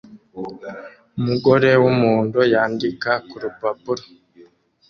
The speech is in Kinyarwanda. Umugore wumuhondo yandika kurupapuro